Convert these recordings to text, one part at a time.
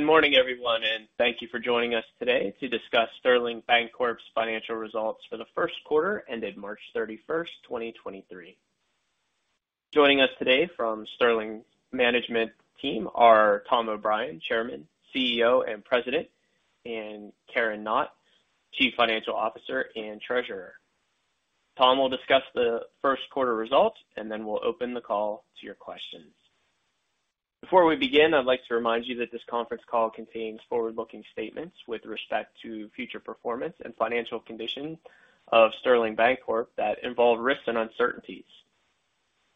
Good morning, everyone, and thank you for joining us today to discuss Sterling Bancorp's financial results for the Q1 ended March 31st, 2023. Joining us today from Sterling management team are Tom O'Brien, Chairman, CEO, and President, and Karen Knott, Chief Financial Officer and Treasurer. Tom will discuss the Q1 results, and then we'll open the call to your questions. Before we begin, I'd like to remind you that this conference call contains forward-looking statements with respect to future performance and financial conditions of Sterling Bancorp that involve risks and uncertainties.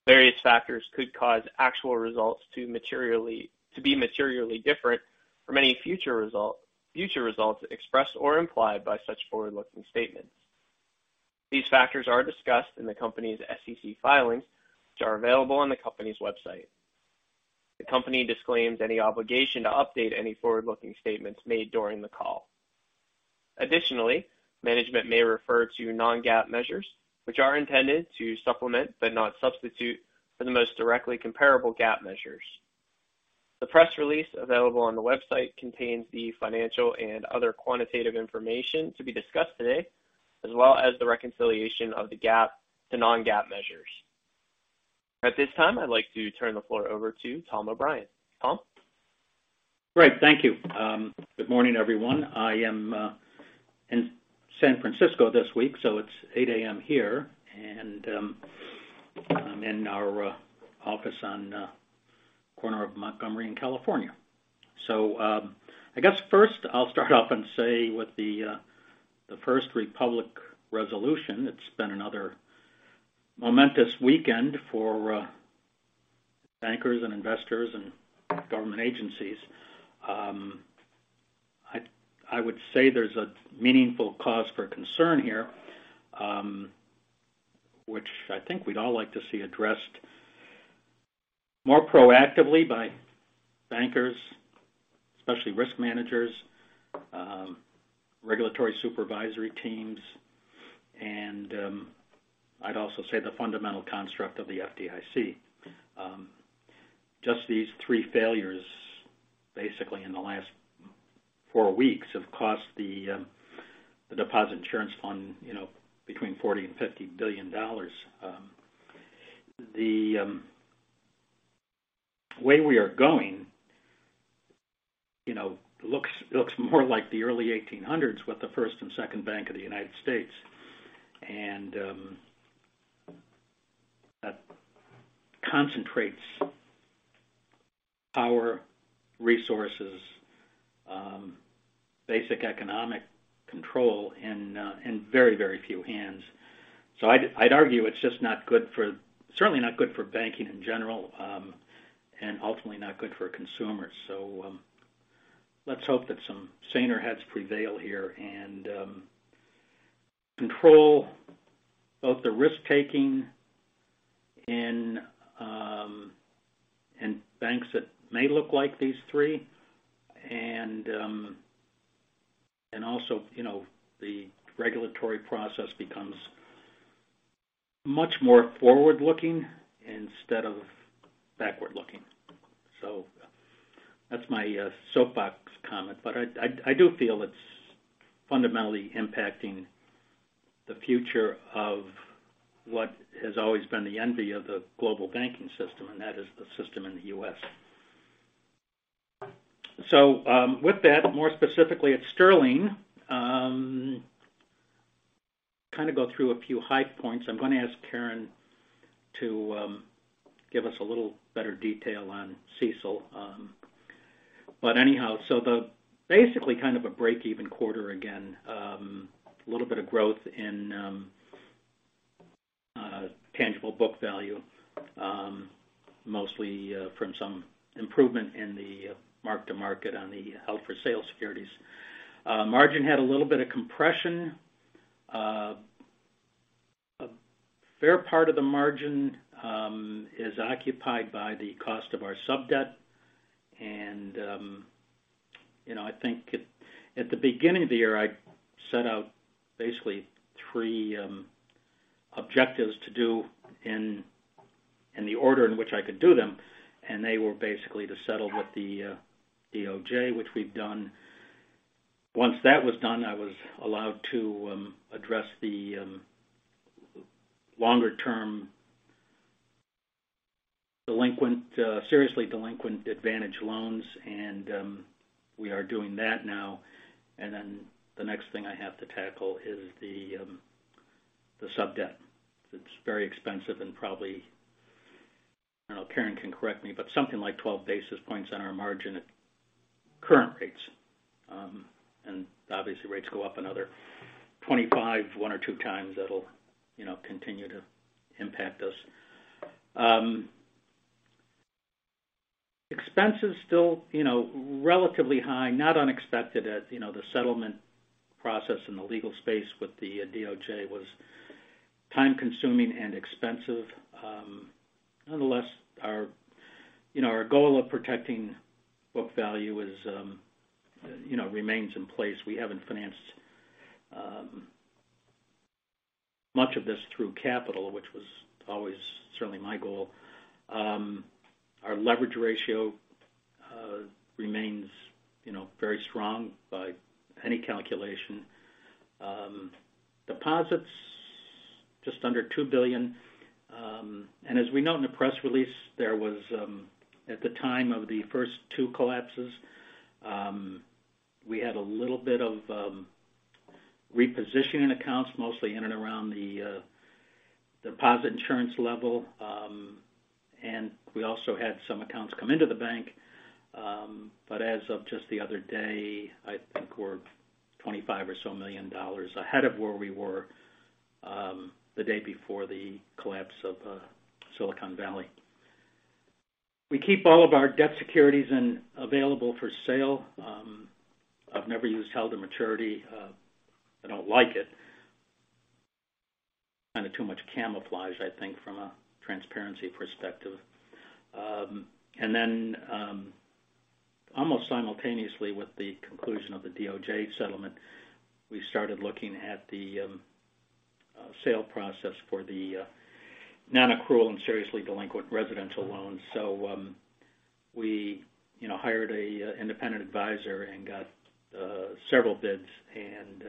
Various factors could cause actual results to be materially different from any future results expressed or implied by such forward-looking statements. These factors are discussed in the company's SEC filings, which are available on the company's website. The company disclaims any obligation to update any forward-looking statements made during the call. Additionally, management may refer to non-GAAP measures, which are intended to supplement, but not substitute, for the most directly comparable GAAP measures. The press release available on the website contains the financial and other quantitative information to be discussed today, as well as the reconciliation of the GAAP to non-GAAP measures. At this time, I'd like to turn the floor over to Tom O'Brien. Tom? Great. Thank you. Good morning, everyone. I am in San Francisco this week, so it's 8:00 A.M. here, and I'm in our office on the corner of Montgomery and California. I guess first I'll start off and say with the First Republic resolution, it's been another momentous weekend for bankers and investors and government agencies. I would say there's a meaningful cause for concern here, which I think we'd all like to see addressed more proactively by bankers, especially risk managers, regulatory supervisory teams, and I'd also say the fundamental construct of the FDIC. Just these three failures, basically in the last four weeks, have cost the Deposit Insurance Fund, you know, between $40 billion to $50 billion. The way we are going, you know, looks more like the early 1800s with the First and Second Bank of the United States. That concentrates our resources, basic economic control in very, very few hands. I'd argue it's just not good for... certainly not good for banking in general, and ultimately not good for consumers. Let's hope that some saner heads prevail here and control both the risk-taking in banks that may look like these three. Also, you know, the regulatory process becomes much more forward-looking instead of backward-looking. That's my soapbox comment. I do feel it's fundamentally impacting the future of what has always been the envy of the global banking system, and that is the system in the U.S. With that, more specifically at Sterling, kinda go through a few high points. I'm gonna ask Karen to give us a little better detail on CECL. Anyhow, basically kind of a break-even quarter again. A little bit of growth in tangible book value, mostly from some improvement in the mark-to-market on the held for sale securities. Margin had a little bit of compression. A fair part of the margin is occupied by the cost of our sub-debt. You know, I think at the beginning of the year, I set out basically three objectives to do in the order in which I could do them, and they were basically to settle with the DOJ, which we've done. Once that was done, I was allowed to address the longer-term delinquent, seriously delinquent Advantage loans, and we are doing that now. The next thing I have to tackle is the sub-debt. It's very expensive and probably, I don't know, Karen can correct me, but something like 12 basis points on our margin at current rates. Obviously, if rates go up another 25, one or two times, that'll, you know, continue to impact us. Expenses still, you know, relatively high, not unexpected as, you know, the settlement process in the legal space with the DOJ was time-consuming and expensive. Nonetheless, our, you know, our goal of protecting book value is, you know, remains in place. We haven't financed much of this through capital, which was always certainly my goal. Our leverage ratio, remains, you know, very strong by any calculation. Deposits just under $2 billion. As we note in the press release, there was at the time of the first two collapses, we had a little bit of repositioning accounts, mostly in and around the deposit insurance level. We also had some accounts come into the bank. As of just the other day, I think we're $25 million or so ahead of where we were, the day before the collapse of Silicon Valley. We keep all of our debt securities in available for sale. I've never used held to maturity. I don't like it. Kind of too much camouflage, I think, from a transparency perspective. Almost simultaneously with the conclusion of the DOJ settlement, we started looking at the sale process for the non-accrual and seriously delinquent residential loans. We, you know, hired an independent advisor and got several bids, and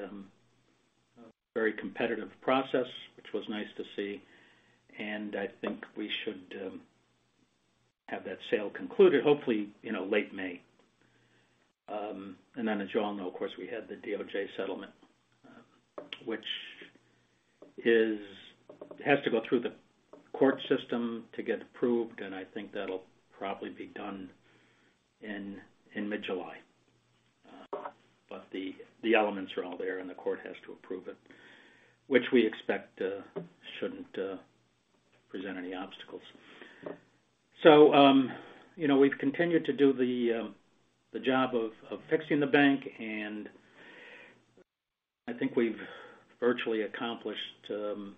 a very competitive process, which was nice to see. I think we should have that sale concluded, hopefully, you know, late May. As you all know, of course, we had the DOJ settlement, which has to go through the court system to get approved, and I think that'll probably be done in mid-July. The elements are all there, and the court has to approve it, which we expect shouldn't present any obstacles. You know, we've continued to do the job of fixing the bank, and I think we've virtually accomplished 95%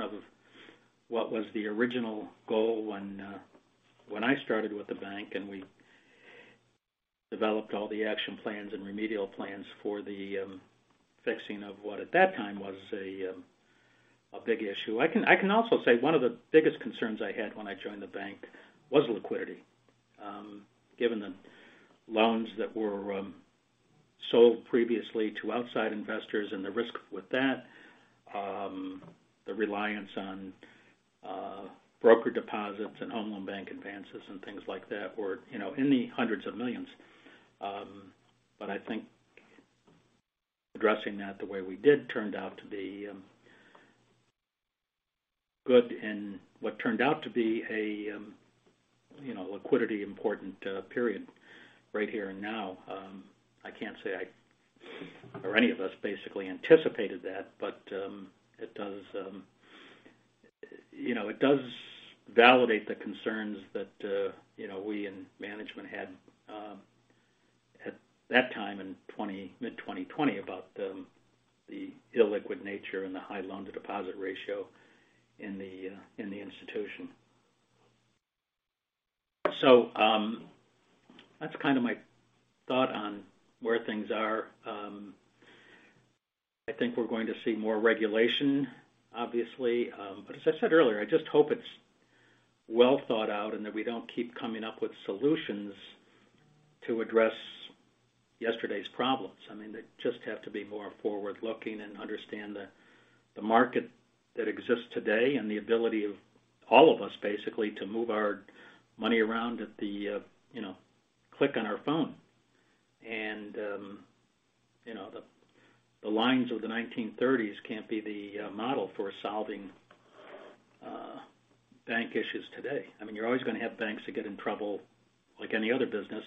of what was the original goal when I started with the bank, and we developed all the action plans and remedial plans for the fixing of what at that time was a big issue. I can also say one of the biggest concerns I had when I joined the bank was liquidity, given the loans that were sold previously to outside investors and the risk with that, the reliance on brokered deposits and home loan bank advances and things like that were, you know, in the $ hundreds of millions. I think addressing that the way we did turned out to be good and what turned out to be a, you know, liquidity important period right here and now. I can't say I or any of us basically anticipated that, but it does, you know, it does validate the concerns that, you know, we and management had at that time in mid-2020 about the illiquid nature and the high loan-to-deposit ratio in the institution. That's kind of my thought on where things are. I think we're going to see more regulation, obviously. As I said earlier, I just hope it's well thought out and that we don't keep coming up with solutions to address yesterday's problems. I mean, they just have to be more forward-looking and understand the market that exists today and the ability of all of us basically to move our money around at the, you know, click on our phone. You know, the lines of the 1930s can't be the model for solving bank issues today. I mean, you're always gonna have banks that get in trouble like any other business.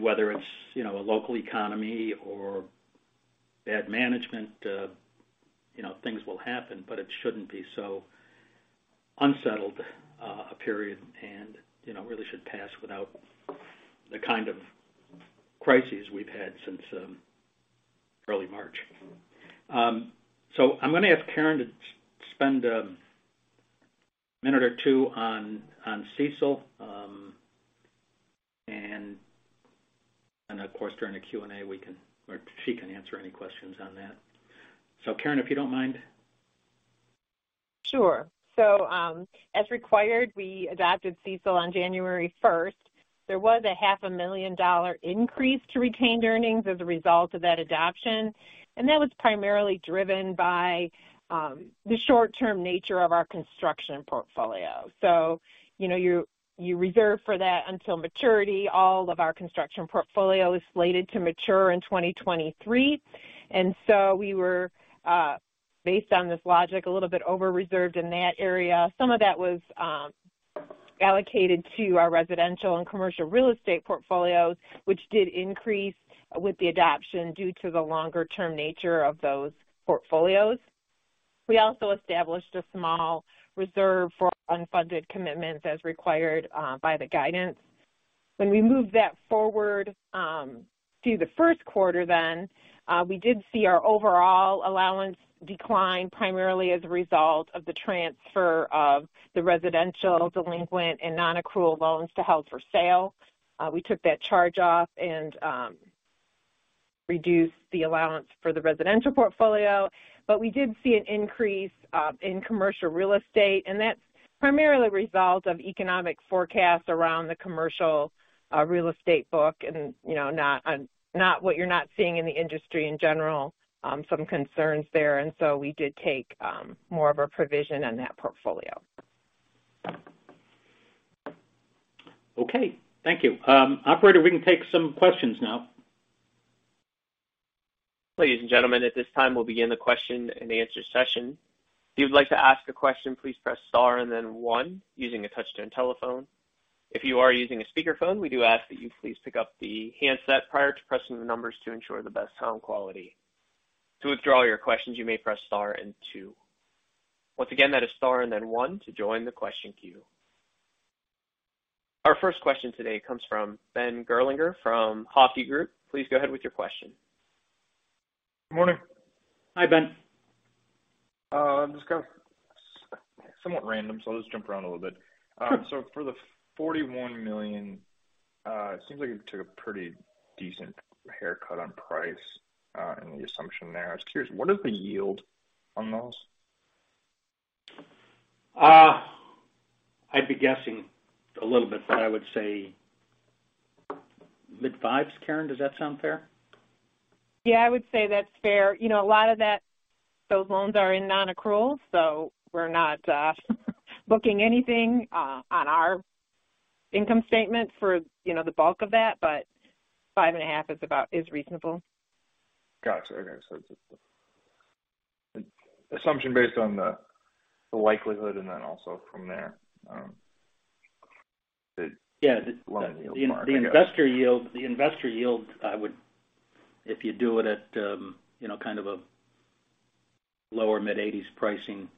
Whether it's, you know, a local economy or bad management, you know, things will happen, but it shouldn't be so unsettled a period and, you know, really should pass without the kind of crises we've had since early March. I'm gonna ask Karen to spend a minute or two on CECL. Of course, during the Q&A, we can or she can answer any questions on that. Karen, if you don't mind. Sure. As required, we adopted CECL on January first. There was a half a million dollar increase to retained earnings as a result of that adoption, that was primarily driven by the short-term nature of our construction portfolio. You know, you reserve for that until maturity. All of our construction portfolio is slated to mature in 2023. We were, based on this logic, a little bit over-reserved in that area. Some of that was allocated to our residential and commercial real estate portfolios, which did increase with the adoption due to the longer-term nature of those portfolios. We also established a small reserve for unfunded commitments as required by the guidance. We moved that forward to the Q1 then, we did see our overall allowance decline primarily as a result of the transfer of the residential delinquent and non-accrual loans to held for sale. We took that charge off and Reduce the allowance for the residential portfolio. We did see an increase in commercial real estate, and that's primarily a result of economic forecasts around the commercial real estate book. You know, not not what you're not seeing in the industry in general, some concerns there. We did take more of a provision on that portfolio. Okay. Thank you. Operator, we can take some questions now. Ladies and gentlemen, at this time, we'll begin the question-and-answer session. If you'd like to ask a question, please press Star and then one using a touch-tone telephone. If you are using a speakerphone, we do ask that you please pick up the handset prior to pressing the numbers to ensure the best sound quality. To withdraw your questions, you may press Star and two. Once again, that is Star and then 1 to join the question queue. Our first question today comes from Ben Gerlinger from Hovde Group. Please go ahead with your question. Good morning. Hi, Ben. I'm just kinda somewhat random. I'll just jump around a little bit. Sure. For the $41 million, it seems like it took a pretty decent haircut on price, in the assumption there. I was curious, what is the yield on those? I'd be guessing a little bit, but I would say mid-fives. Karen, does that sound fair? I would say that's fair. You know, a lot of those loans are in non-accrual. We're not booking anything on our income statement for, you know, the bulk of that. 5.5 is reasonable. Got you. Okay. just an assumption based on the likelihood and then also from there. Yeah. Long yield mark, I guess. The investor yield, if you do it at, you know, kind of a lower mid-eighties pricing,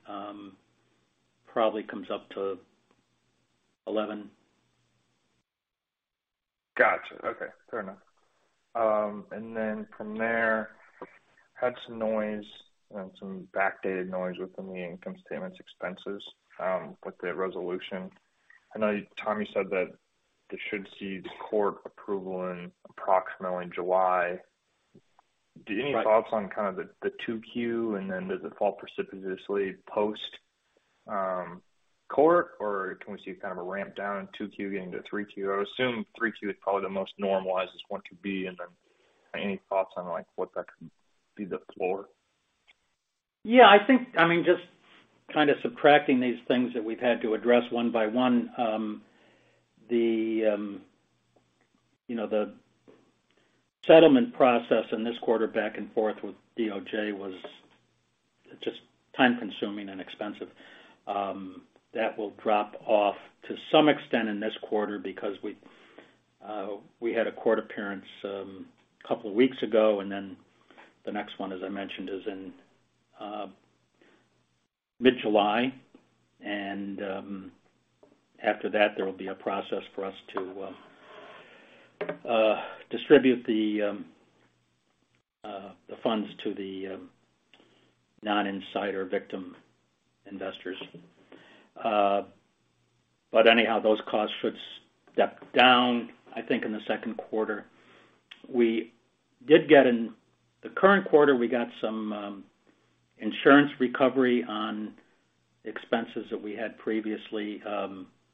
probably comes up to 11%. Gotcha. Okay. Fair enough. From there, had some noise and some backdated noise within the income statements expenses, with the resolution. I know, Tom, you said that they should see the court approval in approximately July. Right. Any thoughts on kind of the two Q, does it fall precipitously post, court? Can we see kind of a ramp down in two Q getting to three Q? I would assume three Q is probably the most normalized this one could be. Any thoughts on, like, what that could be the floor? Yeah, I think, I mean, just kinda subtracting these things that we've had to address one by one, you know, the settlement process in this quarter back and forth with DOJ was just time-consuming and expensive. That will drop off to some extent in this quarter because we had a court appearance a couple weeks ago, and then the next one, as I mentioned, is in mid-July. After that, there will be a process for us to distribute the funds to the non-insider victim investors. Anyhow, those costs should step down, I think, in the Q2. The current quarter, we got some insurance recovery on expenses that we had previously.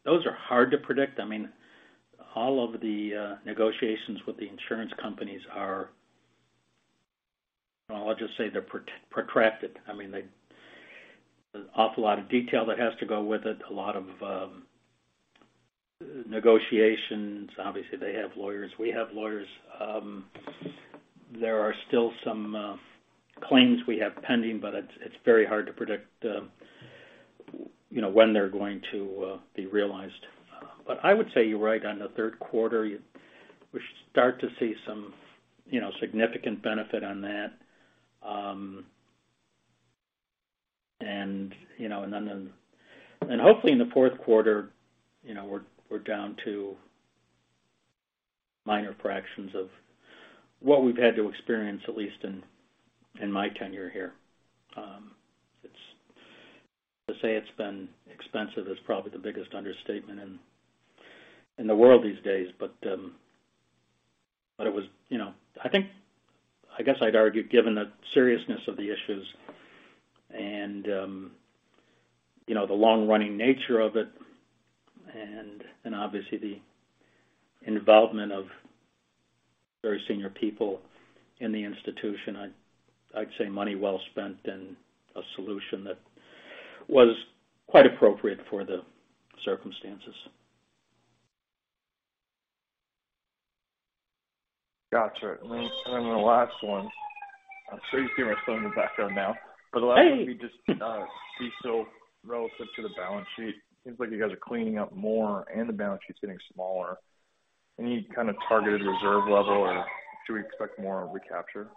Those are hard to predict. I mean, all of the negotiations with the insurance companies are... Well, I'll just say they're protracted. I mean, an awful lot of detail that has to go with it, a lot of negotiations. Obviously, they have lawyers, we have lawyers. There are still some claims we have pending, but it's very hard to predict, you know, when they're going to be realized. I would say you're right. On the Q3, we should start to see some, you know, significant benefit on that. You know, hopefully in the Q4, you know, we're down to minor fractions of what we've had to experience, at least in my tenure here. To say it's been expensive is probably the biggest understatement in the world these days. It was, you know, I think, I guess I'd argue, given the seriousness of the issues and, you know, the long-running nature of it and obviously the involvement of very senior people in the institution, I'd say money well spent and a solution that was quite appropriate for the circumstances. Gotcha. Then the last one. I'm sure you can hear my son in the background now. Hey. For the last one, can we just CECL relative to the balance sheet? Seems like you guys are cleaning up more and the balance sheet's getting smaller. Any kind of targeted reserve level, or should we expect more recapture?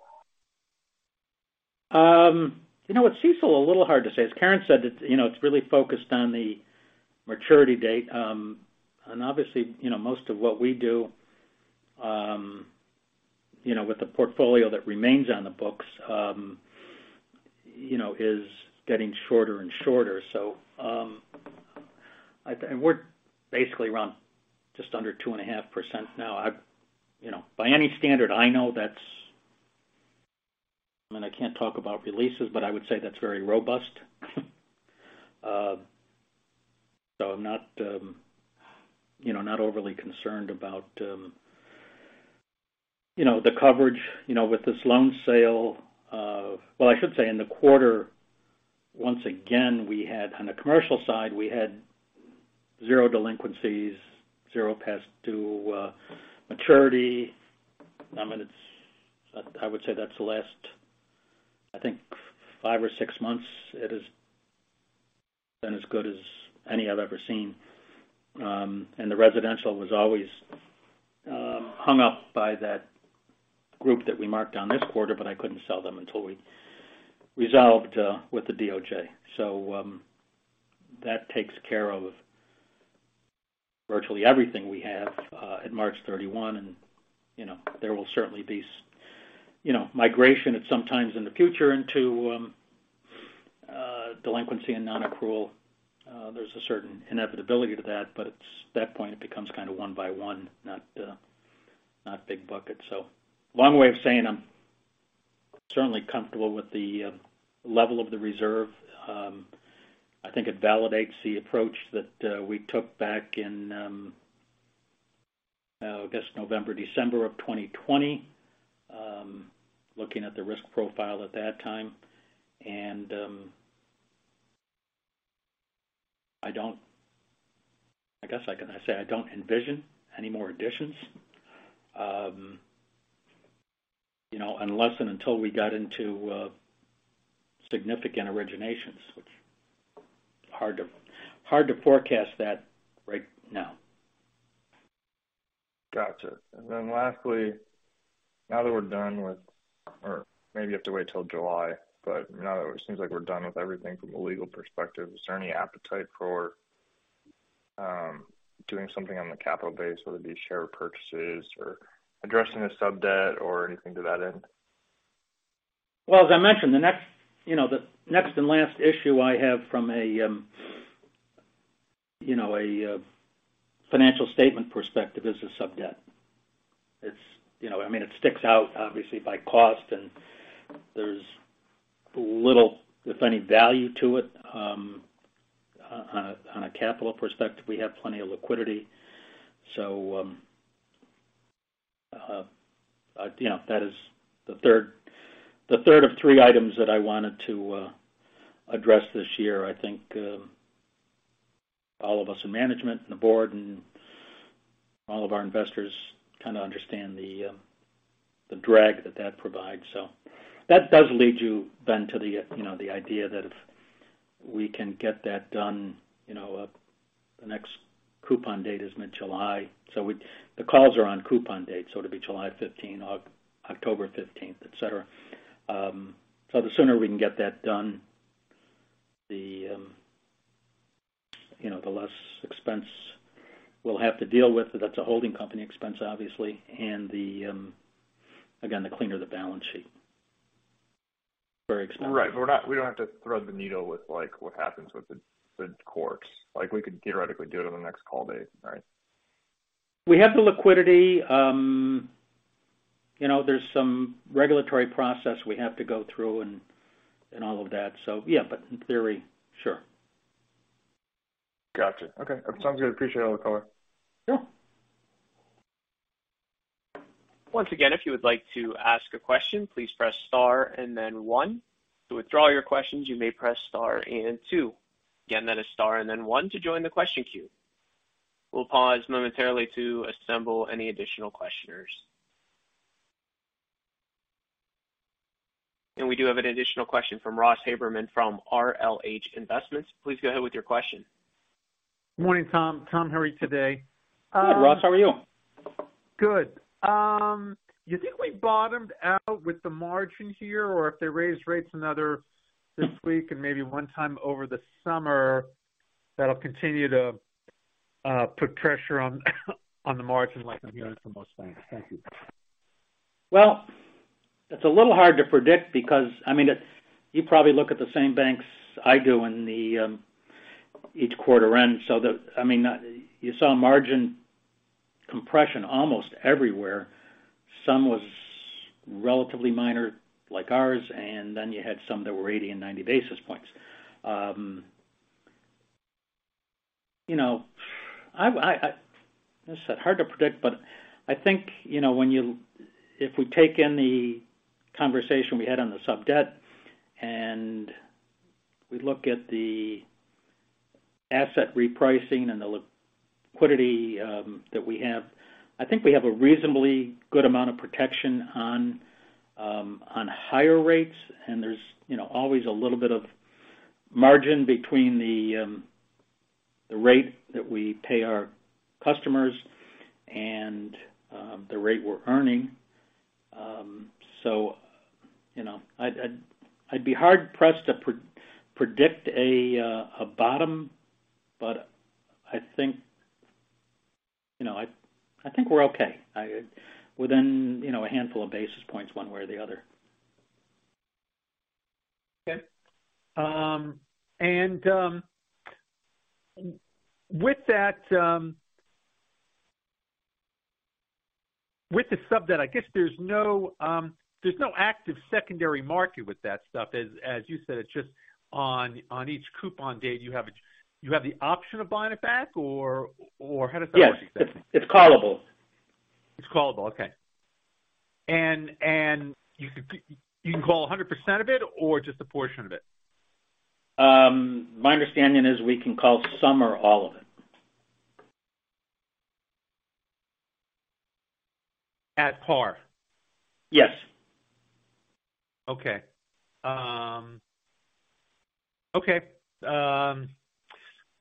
you know, with CECL, a little hard to say. As Karen said, it's, you know, it's really focused on the maturity date. Obviously, you know, most of what we do, you know, with the portfolio that remains on the books, you know, is getting shorter and shorter. We're basically around just under 2.5% now. you know, by any standard, I know that's. I mean, I can't talk about releases, but I would say that's very robust. I'm not, you know, not overly concerned about, you know, the coverage, you know, with this loan sale of. I should say in the quarter, once again, we had on the commercial side, we had 0 delinquencies, 0 past due, maturity. I mean, I would say that's the last, I think, five or six months it has been as good as any I've ever seen. The residential was always hung up by that group that we marked on this quarter, but I couldn't sell them until we resolved with the DOJ. That takes care of virtually everything we have at March 31. You know, there will certainly be you know, migration at some times in the future into delinquency and non-accrual. There's a certain inevitability to that, at that point, it becomes kind of one by one, not big bucket. Long way of saying I'm certainly comfortable with the level of the reserve. I think it validates the approach that we took back in, I guess November, December of 2020, looking at the risk profile at that time. I guess I can say I don't envision any more additions, you know, unless and until we got into significant originations, which hard to forecast that right now. Gotcha. Lastly, now that we're done with or maybe you have to wait till July, but now it seems like we're done with everything from a legal perspective. Is there any appetite for doing something on the capital base, whether it be share purchases or addressing the sub-debt or anything to that end? Well, as I mentioned, the next, you know, the next and last issue I have from a, you know, a financial statement perspective is the sub-debt. It's, you know, I mean, it sticks out obviously by cost, and there's little, if any, value to it. On a capital perspective, we have plenty of liquidity. You know, that is the third of three items that I wanted to address this year. I think, all of us in management and the board and all of our investors kind of understand the drag that that provides. That does lead you, Ben, to the, you know, the idea that if we can get that done, you know, the next coupon date is mid-July. We the calls are on coupon date, so it'll be July 15th, October 15th, et cetera. The sooner we can get that done, the, you know, the less expense we'll have to deal with. That's a holding company expense, obviously. The, again, the cleaner the balance sheet. Very expensive. Right. We don't have to thread the needle with, like, what happens with the courts. Like, we could theoretically do it on the next call date, right? We have the liquidity. you know, there's some regulatory process we have to go through and all of that. Yeah. In theory, sure. Gotcha. Okay. That sounds good. Appreciate all the color. Yeah. Once again, if you would like to ask a question, please press star and then one. To withdraw your questions, you may press star and two. Again, that is star and then one to join the question queue. We'll pause momentarily to assemble any additional questioners. We do have an additional question from Ross Haberman from RLH Investments. Please go ahead with your question. Morning, Tom. Tom, how are you today? Good, Ross. How are you? Good. You think we bottomed out with the margin here, or if they raise rates another this week and maybe 1 time over the summer, that'll continue to put pressure on the margin like I'm hearing from most banks? Thank you. Well, it's a little hard to predict because, I mean, you probably look at the same banks I do in the each quarter end. I mean, you saw margin compression almost everywhere. Some was relatively minor like ours, and then you had some that were 80 and 90 basis points. You know, like I said, hard to predict, but I think, you know, when if we take in the conversation we had on the sub-debt and we look at the asset repricing and the liquidity that we have, I think we have a reasonably good amount of protection on higher rates. There's, you know, always a little bit of margin between the rate that we pay our customers and the rate we're earning. You know, I'd be hard-pressed to pre-predict a bottom, but I think, you know, I think we're okay. Within, you know, a handful of basis points one way or the other. Okay. With that, with the sub-debt, I guess there's no, there's no active secondary market with that stuff. As you said, it's just on each coupon date you have the option of buying it back or how does that work exactly? Yes. It's callable. It's callable. Okay. you can call 100% of it or just a portion of it? My understanding is we can call some or all of it. At par? Yes. Okay. Okay.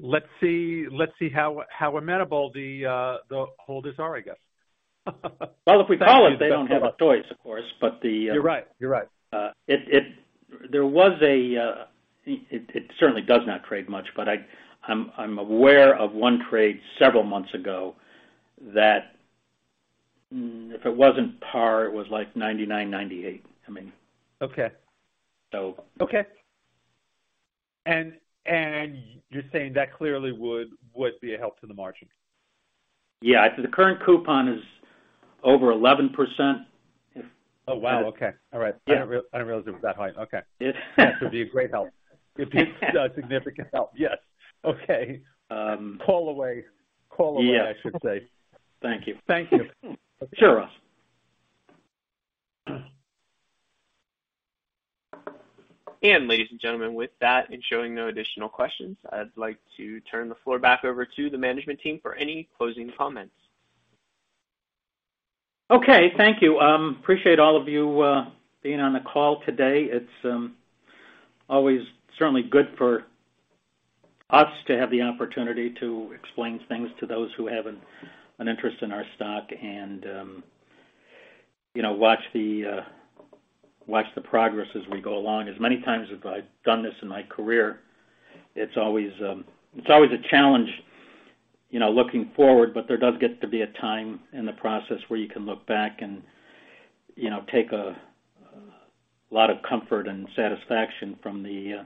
let's see how amenable the holders are, I guess. Well, if we call it, they don't have a choice, of course. the, You're right. You're right. It certainly does not trade much, but I'm aware of one trade several months ago that, if it wasn't par, it was like 99, 98. I mean. Okay. So. Okay. You're saying that clearly would be a help to the margin? Yeah. The current coupon is over 11%. Oh, wow. Okay. All right. Yeah. I didn't realize it was that high. Okay. It... That would be a great help. It'd be a significant help. Yes. Okay. Um. Call away. Call away, I should say. Thank you. Thank you. Sure. Ladies and gentlemen, with that, and showing no additional questions, I'd like to turn the floor back over to the management team for any closing comments. Okay. Thank you. Appreciate all of you being on the call today. It's always certainly good for us to have the opportunity to explain things to those who have an interest in our stock and, you know, watch the progress as we go along. As many times as I've done this in my career, it's always a challenge, you know, looking forward, but there does get to be a time in the process where you can look back and, you know, take a lot of comfort and satisfaction from the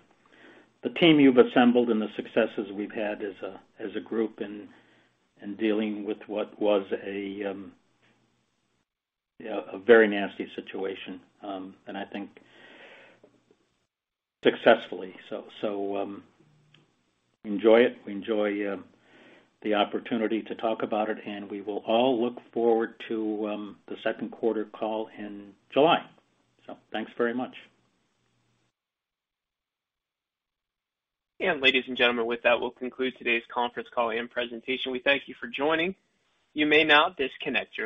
team you've assembled and the successes we've had as a group in dealing with what was a very nasty situation. I think successfully so. So, enjoy it. We enjoy the opportunity to talk about it, and we will all look forward to the Q2 call in July. Thanks very much. Ladies and gentlemen, with that, we'll conclude today's conference call and presentation. We thank you for joining. You may now disconnect your lines.